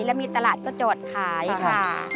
แล้วมีตลาดก็จอดขายค่ะ